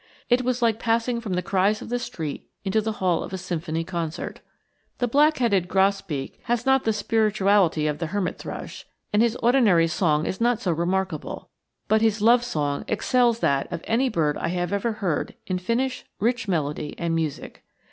It was like passing from the cries of the street into the hall of a symphony concert. The black headed grosbeak has not the spirituality of the hermit thrush, and his ordinary song is not so remarkable, but his love song excels that of any bird I have ever heard in finish, rich melody, and music.